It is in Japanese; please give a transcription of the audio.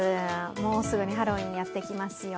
もうすぐハロウィーンやってきますよ。